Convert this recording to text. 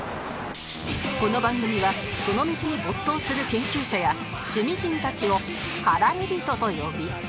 この番組はその道に没頭する研究者や趣味人たちを「駆られ人」と呼び